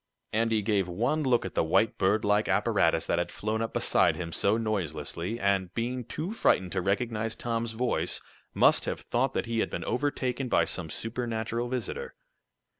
Andy gave one look at the white bird like apparatus that had flown up beside him so noiselessly, and, being too frightened to recognize Tom's voice, must have thought that he had been overtaken by some supernatural visitor.